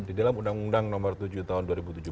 di dalam undang undang nomor tujuh tahun dua ribu tujuh belas